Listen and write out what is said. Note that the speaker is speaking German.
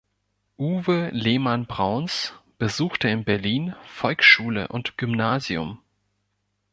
Uwe Lehmann-Brauns besuchte in Berlin Volksschule und Gymnasium.